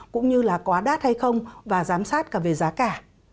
cũng như là quá đắt hay không và giám sát cả về giá cả